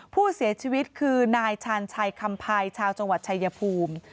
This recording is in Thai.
ผู้เสียชีวิตคือนายชาญชัยคำภัยชาวจังหวัดชายภูมิ